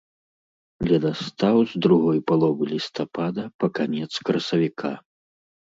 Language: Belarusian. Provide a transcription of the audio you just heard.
Ледастаў з другой паловы лістапада па канец красавіка.